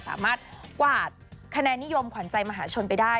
สามารถกวาดคะแนนนิยมขวัญใจมหาชนไปได้